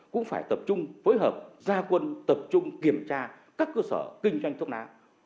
cũng phải tập trung phối hợp gia quân tập trung kiểm tra các cơ sở kinh doanh thuốc lá